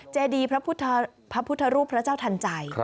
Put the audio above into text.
เจดีพระพุทธรูปพระเจ้าทันใจ